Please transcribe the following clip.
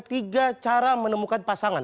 tiga cara menemukan pasangan